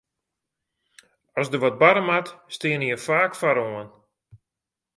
As der wat barre moat, steane je faak foaroan.